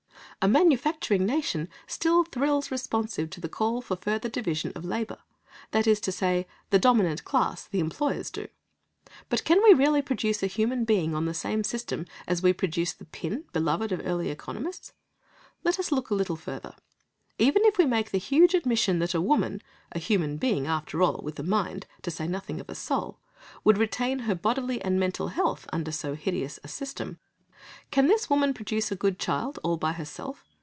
A manufacturing nation still thrills responsive to the call for further division of labour; that is to say, the dominant class, the employers do. But can we really produce a human being on the same system as we produce the pin beloved of early economists? Let us look a little further. Even if we make the huge admission that a woman, a human being after all, with a mind, to say nothing of a soul, would retain her bodily and mental health under so hideous a system,—can this woman produce a good child all by herself?